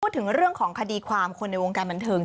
พูดถึงเรื่องของคดีความคนในวงการบันเทิง